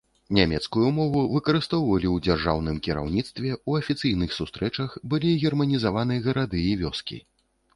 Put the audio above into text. Нямецкую мову выкарыстоўвалі ў дзяржаўным кіраўніцтве, у афіцыйных сустрэчах, былі германізаваны гарады і вёскі.